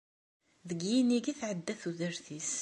Deg yinig i tɛedda tudert-is.